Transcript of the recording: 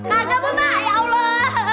kagamu ma ya allah